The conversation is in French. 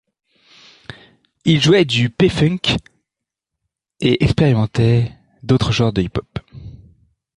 Ils jouaient du P-funk et expérimentaient d'autres genres de hip-hop.